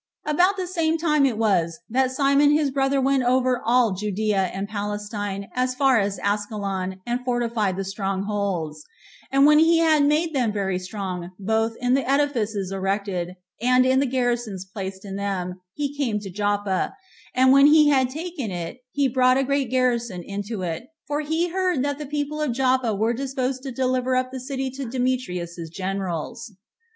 About the same time it was that Simon his brother went over all Judea and Palestine, as far as Askelon, and fortified the strong holds; and when he had made them very strong, both in the edifices erected, and in the garrisons placed in them, he came to Joppa; and when he had taken it, he brought a great garrison into it, for he heard that the people of Joppa were disposed to deliver up the city to Demetrius's generals.